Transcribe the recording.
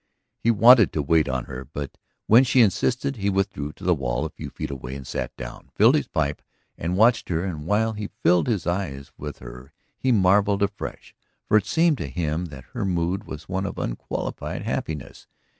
He wanted to wait on her, but when she insisted he withdrew to the wall a few feet away, sat down, filled his pipe, and watched her. And while he filled his eyes with her he marvelled afresh. For it seemed to him that her mood was one of unqualified happiness.